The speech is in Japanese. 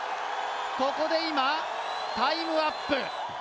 ここで今タイムアップ